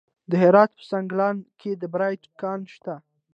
د هرات په سنګلان کې د بیرایت کان شته.